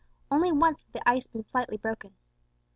Once only had the ice been slightly broken.